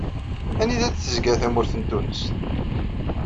Anida d-tezga tmurt n Tunes?